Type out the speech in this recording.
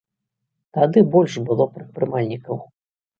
Тады больш было прадпрымальнікаў.